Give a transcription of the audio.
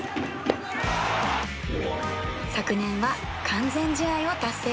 昨年は完全試合を達成し